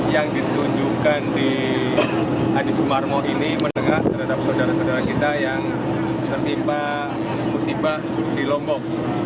yang ditunjukkan di adi sumarmo ini menengah terhadap saudara saudara kita yang tertimpa musibah di lombok